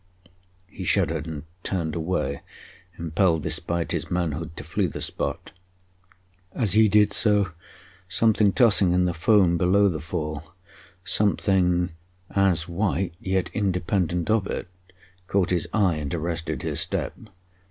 ] He shuddered and turned away, impelled, despite his manhood, to flee the spot. As he did so, something tossing in the foam below the fall something as white, yet independent of it caught his eye and arrested his step.